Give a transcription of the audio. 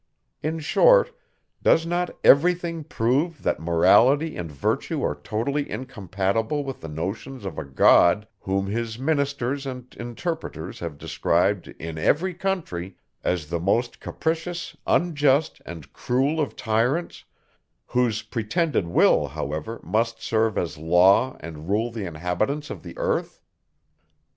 In short, does not every thing prove, that Morality and Virtue are totally incompatible with the notions of a God, whom his ministers and interpreters have described, in every country, as the most capricious, unjust, and cruel of tyrants, whose pretended will, however, must serve as law and rule the inhabitants of the earth?